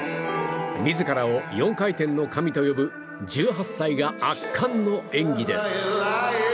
自らを４回転の神と呼ぶ１８歳が圧巻の演技です。